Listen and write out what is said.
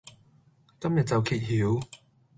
今日就揭曉